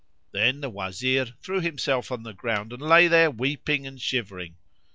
Then the Wazir threw himself on the ground and lay there weeping and shivering.